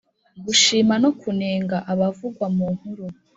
-gushima no kunenga abavugwa mu nkuru;